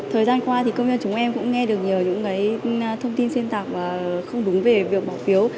thời gian qua thì công nhân chúng em cũng nghe được nhờ những thông tin xuyên tạc không đúng về việc bỏ phiếu